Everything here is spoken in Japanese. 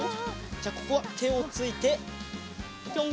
じゃあここはてをついてぴょん。